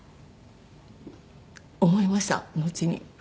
思いましたのちに。